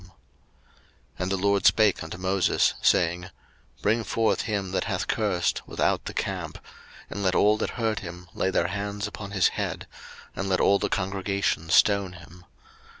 03:024:013 And the LORD spake unto Moses, saying, 03:024:014 Bring forth him that hath cursed without the camp; and let all that heard him lay their hands upon his head, and let all the congregation stone him.